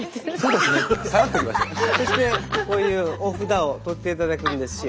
そしてこういうお札を取っていただくんですよ。